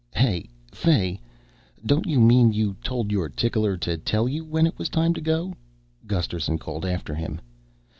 "Hey Fay, don't you mean you told your tickler to tell you when it was time to go?" Gusterson called after him.